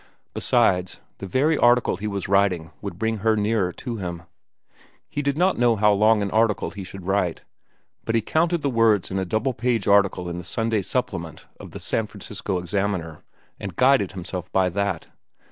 Besides, the very article he was writing would bring her nearer to him. He did not know how long an article he should write, but he counted the words in a double page article in the Sunday supplement of the San Francisco Examiner, and guided himself by that.